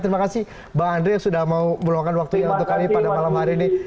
terima kasih bang andre yang sudah mau meluangkan waktunya untuk kami pada malam hari ini